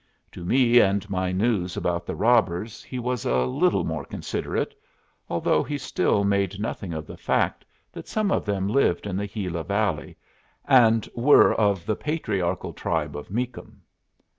To me and my news about the robbers he was a little more considerate, although he still made nothing of the fact that some of them lived in the Gila Valley, and were of the patriarchal tribe of Meakum.